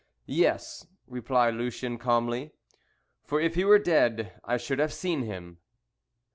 "Yes," replied Lucien, calmly, "for if he were dead I should have seen him."